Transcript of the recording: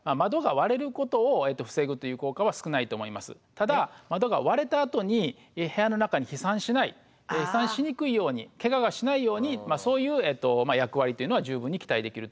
ただ窓が割れたあとに部屋の中に飛散しない飛散しにくいようにけががしないようにそういう役割というのは十分に期待できると思います。